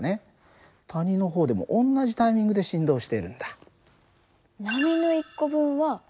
谷の方でも同じタイミングで振動しているんだ。